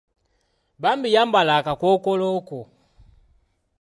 Bambi yambala akakookoolo ko.